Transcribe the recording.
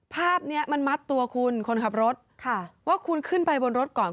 ภาพเนี้ยมันมัดตัวคุณคนขับรถค่ะว่าคุณขึ้นไปบนรถก่อน